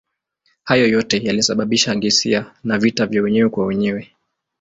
Hayo yote yalisababisha ghasia na vita ya wenyewe kwa wenyewe.